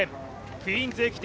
「クイーンズ駅伝」